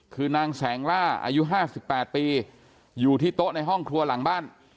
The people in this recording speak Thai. คือนางแสงล่าอายุ๕๘ปีอยู่ที่โต๊ะในห้องครัวหลังบ้าน